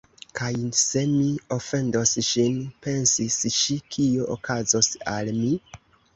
"Kaj se mi ofendos ŝin," pensis ŝi, "kio okazos al mi? »